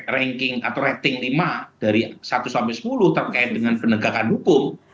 ranking atau rating lima dari satu sampai sepuluh terkait dengan penegakan hukum